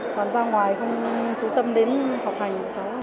còn ra ngoài không chú tâm đến học hành